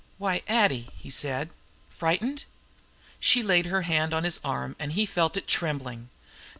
"Why, Addie," he said; "frightened?" She laid her hand on his arm, and he felt it trembling.